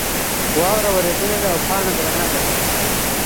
واوره ورېدلې ده او پاڼه درنه ده.